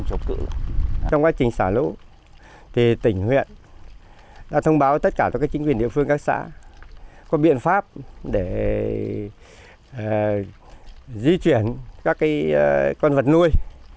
trong quá trình xả lũ thì tỉnh huyện đã thông báo tất cả cho chính quyền địa phương các xã có biện pháp để di chuyển các con vật nuôi